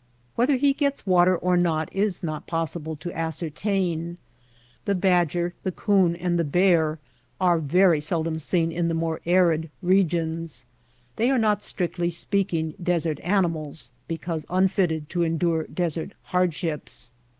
Whether he gets water or not is not possible to ascertain. The badger, the coon, and the bear are very seldom seen in the more arid regions. They are not strictly speaking desert animals because unfitted to endure desert hardships.